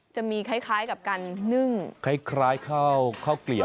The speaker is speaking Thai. จะมีคล้ายกับการนึ่งคล้ายข้าวเกลียบ